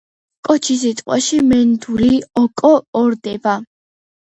კოჩი სიტყვაში მენდული ოკო ორდევა.